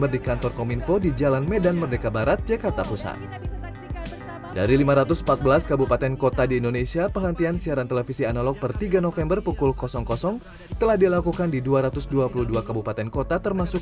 di kawasan jabodetabek